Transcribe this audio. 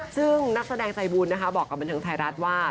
ซึ่งนักแสดงใจบุญนะคะบอกกับบันเทิงไทยรัฐว่า